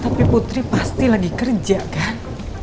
tapi putri pasti lagi kerja kan